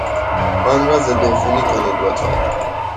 آن را ضدعفونی کنید، لطفا.